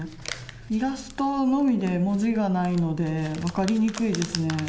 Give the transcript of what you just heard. イラストのみで文字がないので、分かりにくいですね。